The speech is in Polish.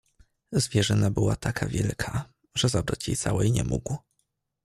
"Zwierzyna była taka wielka, że zabrać jej całej nie mógł!"